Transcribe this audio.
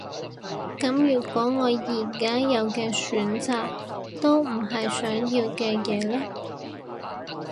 噉如果我而家有嘅選擇都唔係想要嘅嘢呢？